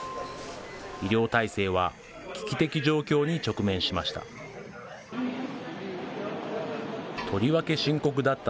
医療体制は危機的状況に直面しました。